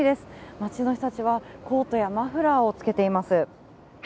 街の人たちはコートやマフラーをつけています。